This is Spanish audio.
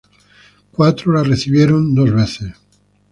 Cuatro la recibieron dos veces.